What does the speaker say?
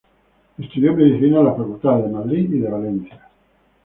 Estudió medicina en las facultades de Madrid y de Valencia.